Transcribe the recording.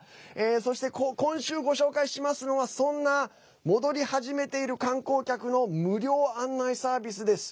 そして、今週ご紹介しますのはそんな戻り始めている観光客の無料案内サービスです。